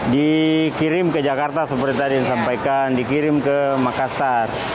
dikirim ke jakarta seperti tadi disampaikan dikirim ke makassar